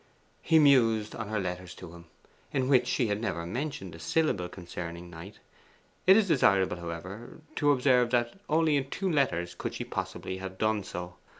He mused on her letters to him, in which she had never mentioned a syllable concerning Knight. It is desirable, however, to observe that only in two letters could she possibly have done so.